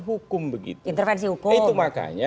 hukum begitu intervensi hukum